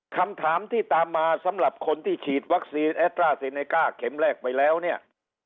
คำถามที่ตามมาสำหรับคนที่ฉีดวัคซีนแอดร่าเซเนก้าเข็มแรกไปแล้วเนี่ย